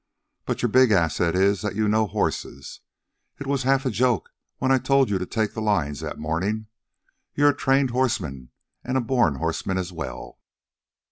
But your big asset is that you know horses. It was half a joke when I told you to take the lines that morning. You're a trained horseman and a born horseman as well."